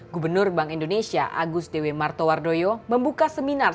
gubernur bank indonesia agus dewi martowardoyo membuka seminar